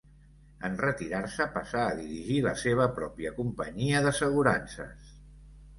En retirar-se passà a dirigir la seva pròpia companyia d'assegurances.